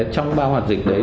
trong bao hoạt dịch đấy